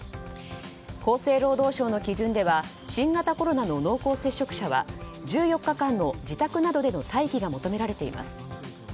厚生労働省の基準では新型コロナの濃厚接触者は１４日間の自宅などでの待機が求められています。